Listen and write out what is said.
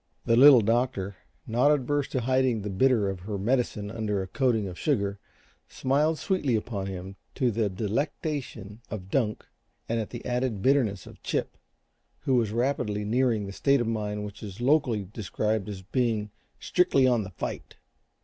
The Little Doctor, not averse to hiding the bitter of her medicine under a coating of sugar, smiled sweetly upon him, to the delectation of Dunk and the added bitterness of Chip, who was rapidly nearing that state of mind which is locally described as being "strictly on the fight."